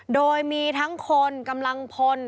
โดยมีทั้งคนกำลังพล